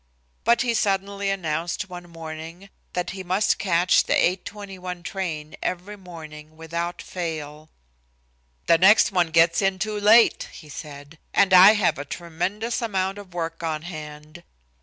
But he suddenly announced one morning that he must catch the 8:21 train every morning without fail. "The next one gets in too late," he said, "and I have a tremendous amount of work on hand."